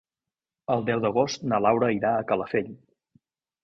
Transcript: El deu d'agost na Laura irà a Calafell.